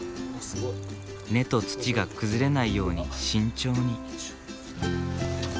根と土が崩れないように慎重に。